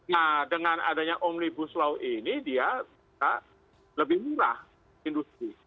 nah dengan adanya omnibus law ini dia bisa lebih murah industri